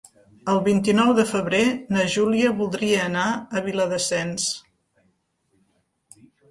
El vint-i-nou de febrer na Júlia voldria anar a Viladasens.